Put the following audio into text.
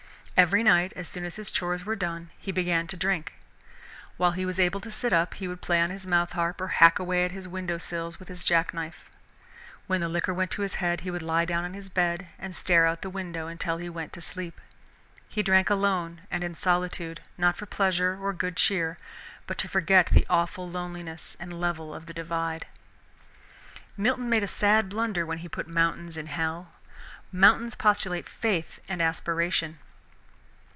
Every night, as soon as his chores were done, he began to drink. While he was able to sit up he would play on his mouth harp or hack away at his window sills with his jackknife. When the liquor went to his head he would lie down on his bed and stare out of the window until he went to sleep. He drank alone and in solitude not for pleasure or good cheer, but to forget the awful loneliness and level of the Divide. Milton made a sad blunder when he put mountains in hell. Mountains postulate faith and aspiration.